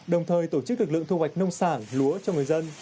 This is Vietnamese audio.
đồng thời tổ chức lực lượng thu hoạch nông sản lúa cho người dân